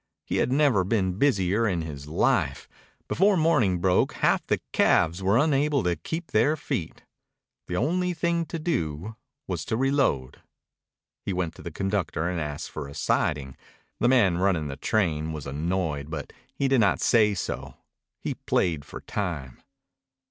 He had never been busier in his life. Before morning broke half the calves were unable to keep their feet. The only thing to do was to reload. He went to the conductor and asked for a siding. The man running the train was annoyed, but he did not say so. He played for time.